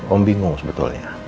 om bingung sebetulnya